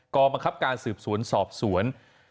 กรบังคับการซื้อสวนซอบสวน